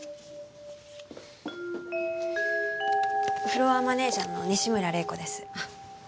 フロアマネジャーの西村玲子です。